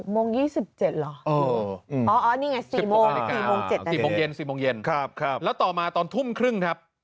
๖โมง๒๗หรออ๋อนี่ไง๔โมงเย็นครับแล้วต่อมาตอนทุ่มครึ่งครับ